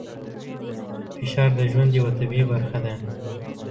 فشار د ژوند یوه طبیعي برخه ده.